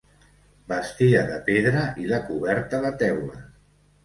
Bastida de pedra i la coberta de teules.